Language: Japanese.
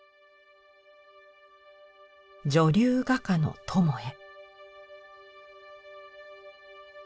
「女流画家の友へ」。